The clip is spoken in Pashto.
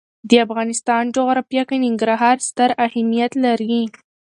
د افغانستان جغرافیه کې ننګرهار ستر اهمیت لري.